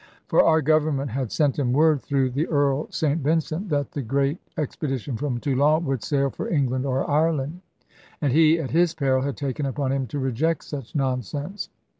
For our Government had sent him word, through the Earl St Vincent, that the great expedition from Toulon would sail for England or Ireland; and he at his peril had taken upon him to reject such nonsense.